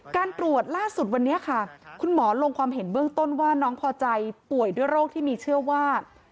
การตรวจล่าสุดวันนี้ค่ะคุณหมอลงความเห็นเบื้องต้นว่าน้องพอใจป่วยด้วยโรคที่มีเชื่อว่า